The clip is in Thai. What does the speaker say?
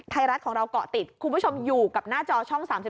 ไทยรัฐของเราเกาะติดคุณผู้ชมอยู่กับหน้าจอช่อง๓๒